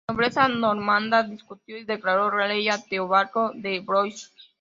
La nobleza normanda discutió y declaró rey a Teobaldo de Blois.